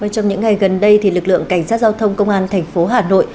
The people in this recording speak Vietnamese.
trong những ngày gần đây lực lượng cảnh sát giao thông công an thành phố hà nội